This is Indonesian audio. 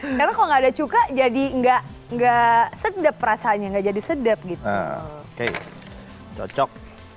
ada karena kalo nggak ada cukajadi nggak nggak sedep rasanya menjadi sedap gitu placebo cocok